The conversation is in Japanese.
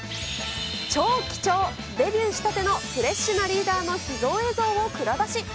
超貴重、デビューしたてのフレッシュなリーダーの秘蔵映像を蔵出し。